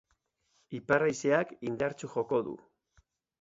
Ipar-haizeak indartsu joko du.